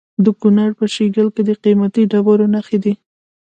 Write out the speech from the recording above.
د کونړ په شیګل کې د قیمتي ډبرو نښې دي.